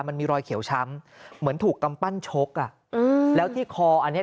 มันมีรอยเขียวช้ำเหมือนถูกกำปั้นชกอ่ะอืมแล้วที่คออันเนี้ย